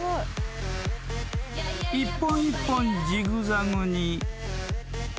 ［一本一本ジグザグに］